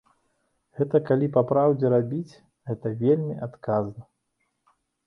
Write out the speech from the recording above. Гэта, калі па-праўдзе рабіць, гэта вельмі адказна.